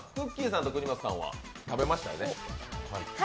さんと国本さんは食べましたよね？